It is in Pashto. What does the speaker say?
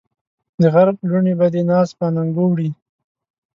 د غرب لوڼې به دې ناز په اننګو وړي